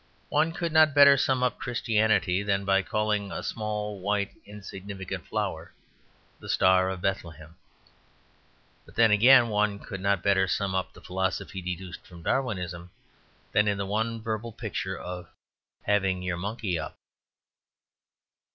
One could not better sum up Christianity than by calling a small white insignificant flower "The Star of Bethlehem." But then, again, one could not better sum up the philosophy deduced from Darwinism than in the one verbal picture of "having your monkey up."